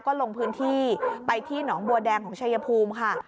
ก็ลงพื้นที่ไปที่หนองบัวแดงของชายภูมิค่ะ